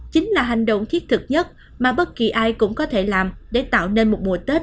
chính là hành động thiết thực nhất mà bất kỳ ai cũng có thể làm để tạo nên một mùa tết